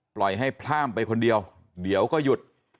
ปล่อยให้พร่ามไปคนเดียวเดี๋ยวก็หยุด